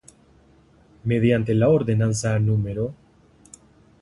Mediante la Ordenanza No.